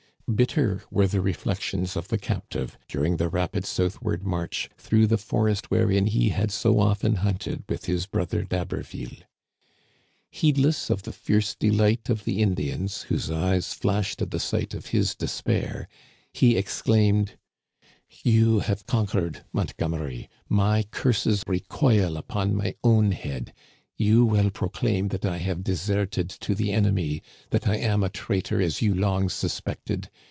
Bitter were the reflections of the captive during the rapid southward march through the forest, wherein he had so often hunted with his brother D'Haberville. Heedless of the fierce delight of the Indians, whose eyes flashed at the sight of his despair, he exclaimed :You have conquered, Montgomery ; my curses re coil upon my own head. You will proclaim that I have deserted to the enemy, that I am a traitor as you long suspected.